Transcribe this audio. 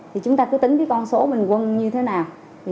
thì chúng ta cứ tính con số bình quân như thế nào